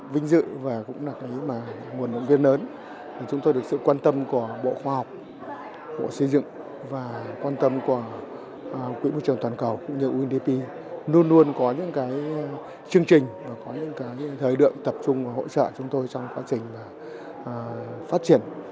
vì vậy quỹ môi trường toàn cầu cũng như undp luôn luôn có những chương trình và có những thời đoạn tập trung hỗ trợ chúng tôi trong quá trình phát triển